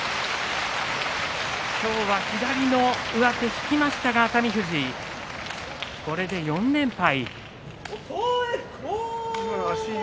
今日は左の上手を引きましたが熱海富士、これで４連敗。